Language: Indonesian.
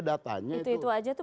datanya itu aja tuh